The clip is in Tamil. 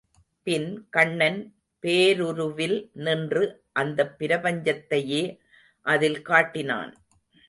பின் கண்ணன் பேருருவில் நின்று இந்தப் பிரபஞ்சத் தையே அதில் காட்டினான்.